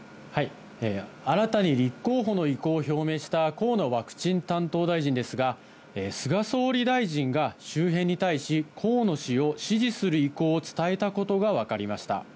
新たに立候補の意向を表明した河野ワクチン担当大臣ですが、菅総理大臣が周辺に対し、河野氏を支持する意向を伝えたことが分かりました。